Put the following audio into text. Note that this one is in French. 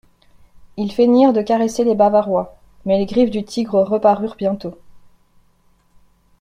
Ils feignirent de caresser les Bavarois ; mais les griffes du tigre reparurent bientôt.